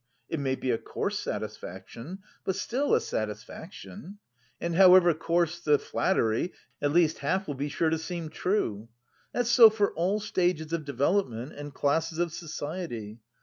It may be a coarse satisfaction, but still a satisfaction. And however coarse the flattery, at least half will be sure to seem true. That's so for all stages of development and classes of society.